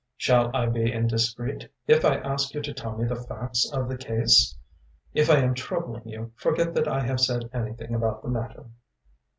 Shall I be indiscreet if I ask you to tell me the facts of the case? If I am troubling you, forget that I have said anything about the matter.